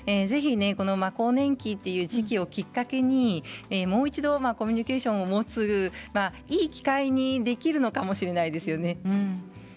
ぜひ、更年期という時期をきっかけに、もう一度コミュニケーションを持ついい機会にできるのかもしれないですよね。